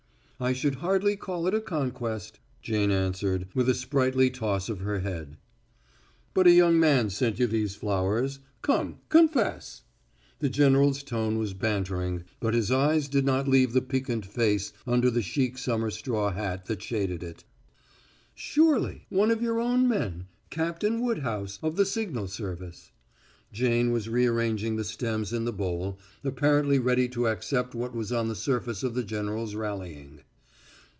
"I should hardly call it a conquest," Jane answered, with a sprightly toss of her head. "But a young man sent you these flowers. Come confess!" The general's tone was bantering, but his eyes did not leave the piquant face under the chic summer straw hat that shaded it. "Surely. One of your own men Captain Woodhouse, of the signal service." Jane was rearranging the stems in the bowl, apparently ready to accept what was on the surface of the general's rallying.